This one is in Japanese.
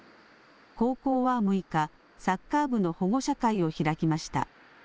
高校は６日、サッカー部の保護者会を開きました。